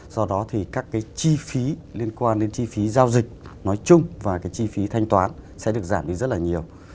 do đó thì các cái chi phí liên quan đến chi phí giao dịch nói chung và cái chi phí thanh toán sẽ được giảm đi rất là nhiều